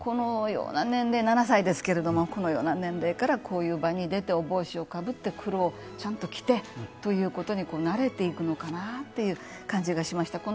７歳ですが、このような年齢からこういう場に出てお帽子をかぶって黒をちゃんと着てということに慣れていくのかなという感じがしました。